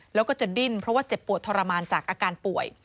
แล้วก็จะดิ้นเพราะว่าเจ็บปวดทรมานจากอาการป่วย